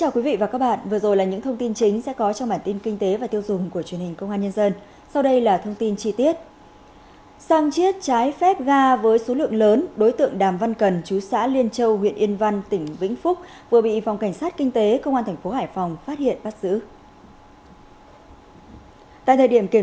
các bạn hãy đăng ký kênh để ủng hộ kênh của chúng mình nhé